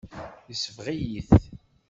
Yesbeɣ-iyi-t.